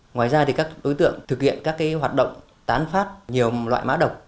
ngoài ra các đối tượng thực hiện các hoạt động tán phát nhiều loại mã độc